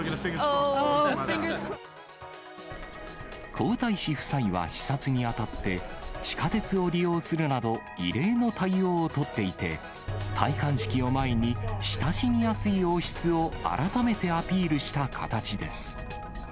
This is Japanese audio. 皇太子夫妻は、視察にあたって、地下鉄を利用するなど、異例の対応を取っていて、戴冠式を前に、親しみやすい王室を改めてアピールした形です。